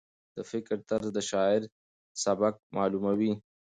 د فکر طرز د شاعر سبک معلوموي.